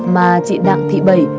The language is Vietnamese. mà chị đặng thị bẩy